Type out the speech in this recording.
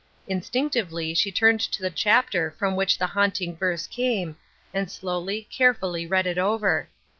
Instinctively she turned to the chapter from which the haunting verse came, and slowly, carefully, read it over.